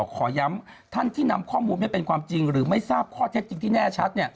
ขอย้ำท่านที่นำข้อมูลไม่เป็นความจริงหรือไม่ทราบข้อเท็จจริงที่แน่ชัด